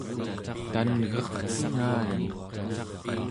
tan'gercen̄ani